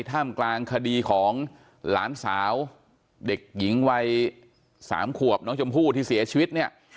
ท่ามกลางคดีของหลานสาวเด็กหญิงวัย๓ขวบน้องชมพู่ที่เสียชีวิตเนี่ย